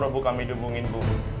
bu kami dihubungin bu